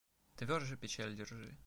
Тверже печаль держи.